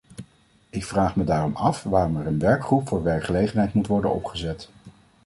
Ik vraag me daarom af waarom er een werkgroep voor werkgelegenheid moet worden opgezet.